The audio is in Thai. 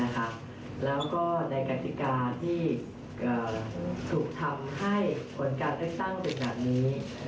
แล้วก็ในกฎิกาที่ถูกทำให้คนการเรื่องตั้งประกอบนี้